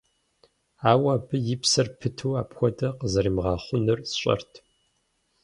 Ауэ абы и псэр пыту апхуэдэ къызэримыгъэхъунур сщӏэрт.